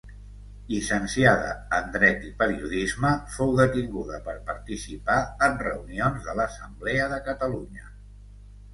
Llicenciada en dret i periodisme, fou detinguda per participar en reunions de l'Assemblea de Catalunya.